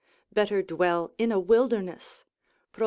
better dwell in a wilderness, Prov.